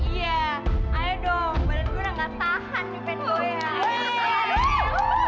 iya ayo dong bener gue udah nggak tahan nyupain gue ya